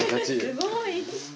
すごい。